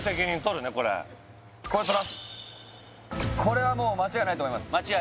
高くてこれはもう間違いないと思います